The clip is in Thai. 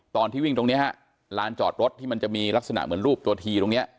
ตอนที่วิ่งตรงนี้ฮะลานจอดรถที่มันจะมีลักษณะเหมือนรูปตัวทีตรงเนี้ย